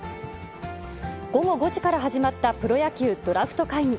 午後５時から始まったプロ野球ドラフト会議。